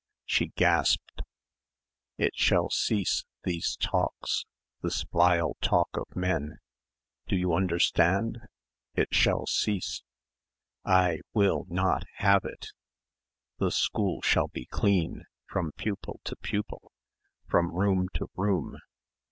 She gasped. "It shall cease these talks this vile talk of men. Do you understand? It shall cease. I will not have it.... The school shall be clean ... from pupil to pupil ... from room to room....